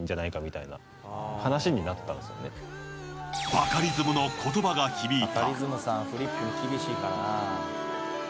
バカリズムの言葉が響いた。